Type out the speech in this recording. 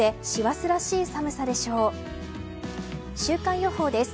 週間予報です。